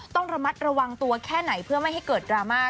ต้องระมัดระวังตัวแค่ไหนเพื่อไม่ให้เกิดดราม่า